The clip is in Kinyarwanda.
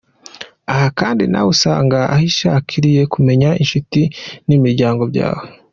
Aha kandi nawe usanga ashishikariye kumenya inshuti n’imiryango byawe.